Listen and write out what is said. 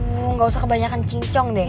hmm gausah kebanyakan cincong deh